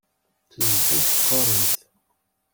Tezgamt teqqaremt.